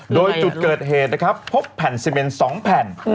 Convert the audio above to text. โดยจุดเกิดเหตุนะครับพบแผ่นซีเมน๒แผ่น